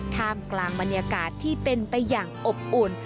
ท่ามกลางบรรยากาศที่เป็นไปอย่างอบอุ่น